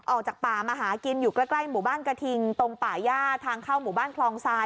ออกจากป่ามาหากินอยู่ใกล้หมู่บ้านกระทิงตรงป่าย่าทางเข้าหมู่บ้านคลองทราย